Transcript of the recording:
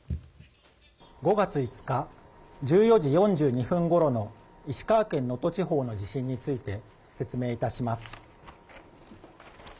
５月５日１４時４２分ごろの石川県能登地方の地震について説明いたします。